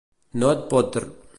No et podr